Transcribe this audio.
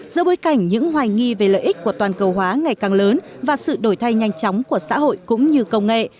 giữa bối cảnh những hoài nghi về lợi ích của toàn cầu hóa ngày càng lớn và sự đổi thay nhanh chóng của xã hội cũng như công nghệ